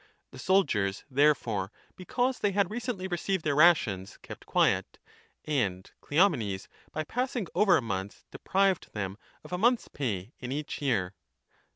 The soldiers, therefore, because they had recently received their rations, kept quiet ; and Cleomenes by passing over a month deprived them of a month s pay in each year.